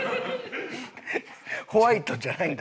ホワイトじゃないんだ？